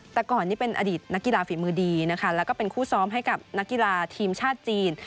แต่ก่อนนี่เป็นอดีตนักกีฬาฝีมือดีนะคะแล้วก็เป็นคู่ซ้อมให้กับนักกีฬาทีมชาติจีน